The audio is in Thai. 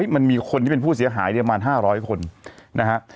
มันมีคนที่เป็นผู้เสียหายประมาณ๕๐๐คนนะฮะ